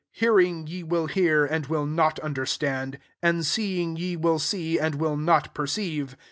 Hearing ye will hear, and will not under stand ; and seeing ye*^Il see» and will not perceive.